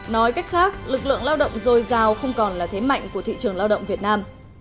nói cách khác lực lượng lao động dồi dào không còn là thế mạnh của thị trường lao động việt nam